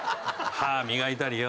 歯磨いたりよ。